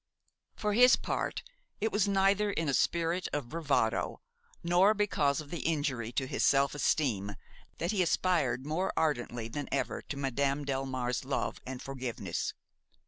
X For his part, it was neither in a spirit of bravado nor because of the injury to his self esteem that he aspired more ardently than ever to Madame Delmare's love and forgiveness.